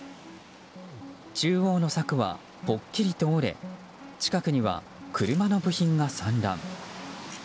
中央の柵はぽっきりと折れ近くには車の部品が散乱。